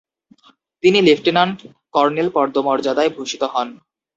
তিনি lieutenant colonel পদমর্যাদায় ভূষিত হন।